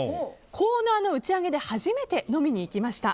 コーナーの打ち上げで初めて飲みに行きました。